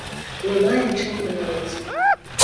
Мы маем чым ганарыцца.